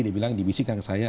dia bilang dibisikkan ke saya